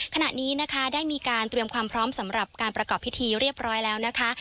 ขณะนี้นะคะได้มีการเตรียมความพร้อมสำหรับการประกอบพิธีเรียบร้อยแล้วนะคะ